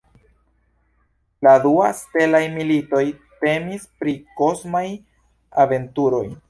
La dua ""Stelaj Militoj"" temis pri kosmaj aventuroj.